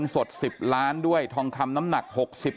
โลกไว้แล้วพี่ไข่โลกไว้แล้วพี่ไข่